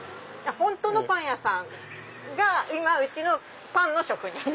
本当のパン屋さんが今うちのパンの職人。